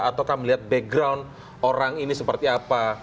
ataukah melihat background orang ini seperti apa